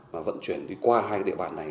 và vận chuyển đi qua hai địa bàn này